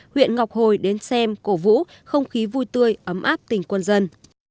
huyện ngọc hồi đến xem cổ vũ không khí vui tươi ấm áp tình quân dân